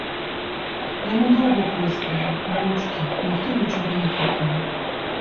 Яму доўга плёскалі, моўчкі, ніхто нічога не крыкнуў.